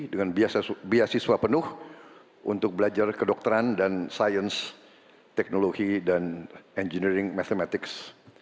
dengan biasiswa penuh untuk belajar kedokteran dan sains teknologi dan engineering mathematics